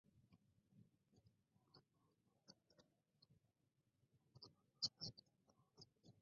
Durante la Guerra civil combatió junto a las fuerzas del Bando Sublevado.